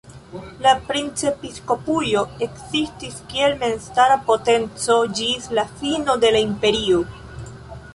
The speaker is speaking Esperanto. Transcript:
La princepiskopujo ekzistis kiel memstara potenco ĝis la fino de la Imperio.